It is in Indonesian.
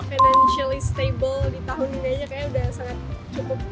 financial estable di tahun ini aja kayaknya udah sangat cukup